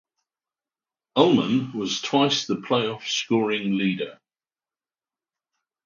Ullman was twice the playoff scoring leader.